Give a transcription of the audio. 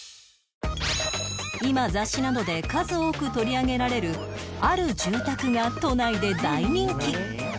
今雑誌などで数多く取り上げられるある住宅が都内で大人気